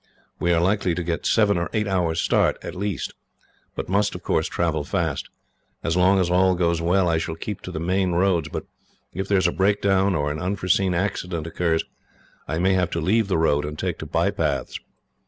We are likely to get seven or eight hours start, at least; but must, of course, travel fast. As long as all goes well, I shall keep the main roads, but if there is a breakdown, or an unforeseen accident occurs, I may have to leave the road and take to bypaths."